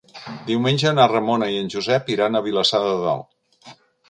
Diumenge na Ramona i en Josep iran a Vilassar de Dalt.